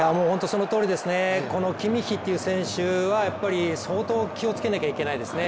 そのとおりですね、このキミッヒという選手は相当、気をつけなきゃいけないですね。